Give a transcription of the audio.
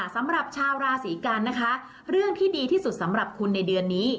สำหรับชาวราศีกันนะคะเรื่องที่ดีที่สุดสำหรับคุณในเดือนนี้